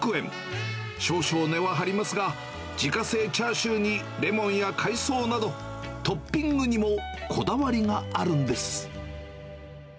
少々値は張りますが、自家製チャーシューにレモンや海藻など、トッピングにもこだわりがあるんです。